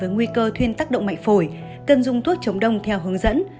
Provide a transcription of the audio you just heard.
nguy cơ thuyền tắc động mạnh phổi cần dùng thuốc chống đông theo hướng dẫn